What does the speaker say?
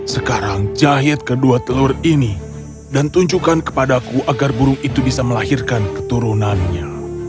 sekarang jahit kedua telur ini dan tunjukkan kepadaku agar burung itu bisa melahirkan keturunannya